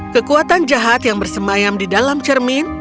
kekuatan jahat yang bersemayam di dalam cermin